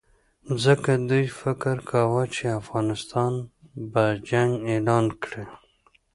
ځکه دوی فکر کاوه چې افغانستان به جنګ اعلان کړي.